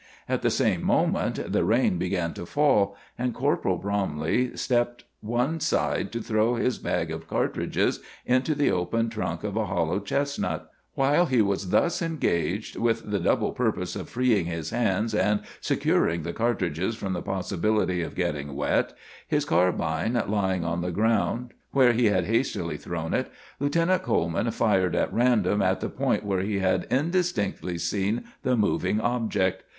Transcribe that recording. At the same moment the rain began to fall, and Corporal Bromley stepped one side to throw his bag of cartridges into the open trunk of a hollow chestnut. While he was thus engaged, with the double purpose of freeing his hands and securing the cartridges from the possibility of getting wet, his carbine lying on the ground where he had hastily thrown it, Lieutenant Coleman fired at random at the point where he had indistinctly seen the moving object.